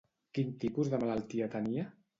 Quin tipus de malaltia tenia?